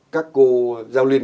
các cô giao liên